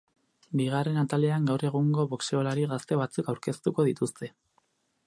Bigarren atalean gaur egungo boxeolari gazte batzuk aurkeztuko dituzte.